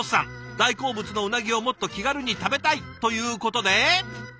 大好物のうなぎをもっと気軽に食べたいということで。